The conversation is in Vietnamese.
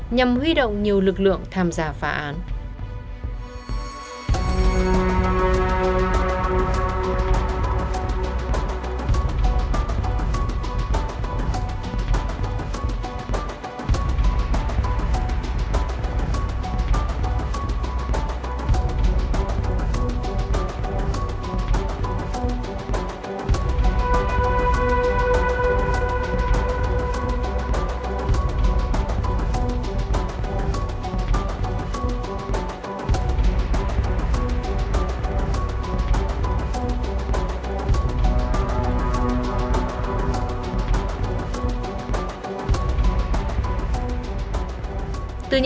nhằm huy động nhiều lực lượng tham gia phá án